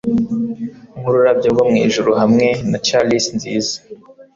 Nkururabyo rwo mwijuru hamwe na chalice nziza